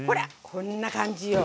こんな感じよ。